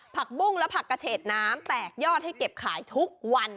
ผักบุ้งและผักกระเฉดน้ำแตกยอดให้เก็บขายทุกวัน